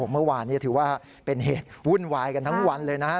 เมื่อวานนี้ถือว่าเป็นเหตุวุ่นวายกันทั้งวันเลยนะครับ